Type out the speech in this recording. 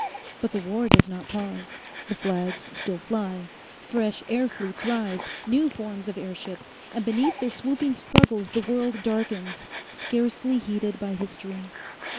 But the war does not pause. The flags still fly. Fresh air fleets rise, new forms of airship, and beneath their swooping struggles the world darkens scarcely heeded by history.